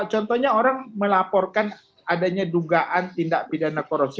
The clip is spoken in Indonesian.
contohnya orang melaporkan adanya dugaan tindak pidana korupsi